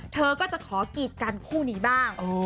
เธอก็จะขอกีดกันคู่นี้บ้าง